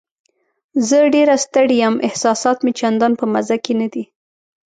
زه ډېره ستړې یم، احساسات مې چندان په مزه کې نه دي.